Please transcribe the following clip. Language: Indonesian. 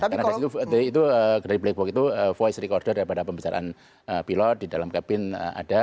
karena dari black book itu voice recorder daripada pembicaraan pilot di dalam kabin ada